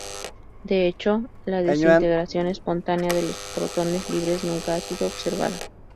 De hecho, la desintegración espontánea de los protones libres nunca ha sido observada.